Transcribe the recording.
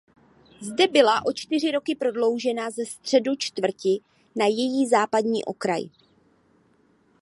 Zde byla o čtyři roky prodloužena ze středu čtvrti na její západní okraj.